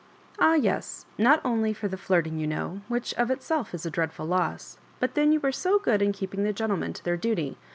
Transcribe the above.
" Ah, yes — ^not only for the flirting, you know, which of itself is a dreadful loss; but then you were so good in keeping the gentlemen to their doty.